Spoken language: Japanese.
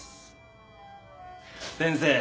先生